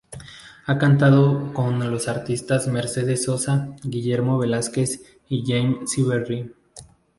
Ha cantado con los artistas Mercedes Sosa, Guillermo Velazquez y Jane Siberry.